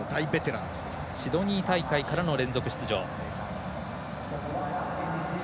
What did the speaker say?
シドニー大会からの連続出場。